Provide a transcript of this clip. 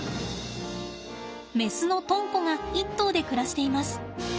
メスのとんこが一頭で暮らしています。